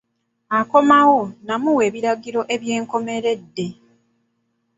Akomyewo n’amuwa ebiragiro eby’enkomeredde.